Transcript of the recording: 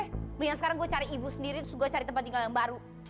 kemudian sekarang gue cari ibu sendiri terus gue cari tempat tinggal yang baru